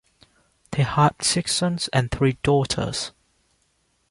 They had six sons and three daughters.